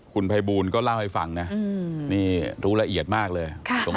คุณไพบูลก็เล่าให้ฟังรู้ละเอียดมากเลย